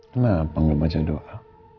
kenapa gak baca doa